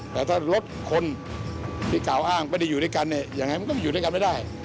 แต่ถ้ารถคนที่กล่าวอ้างไม่ได้อยู่ด้วยกันเนี่ยยังไงมันก็อยู่ด้วยกันไม่ได้